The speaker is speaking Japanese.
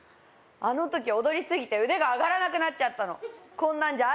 あの時踊りすぎて腕が上がらなくなっちゃったのこんなんじゃ